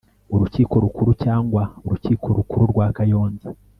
Urukiko Rukuru cyangwa Urukiko Rukuru rwa kayonza